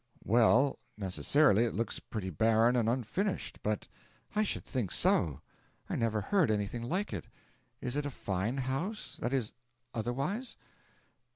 'Well, necessarily it looks pretty barren and unfinished, but ' 'I should think so! I never heard anything like it. Is it a fine house that is, otherwise?'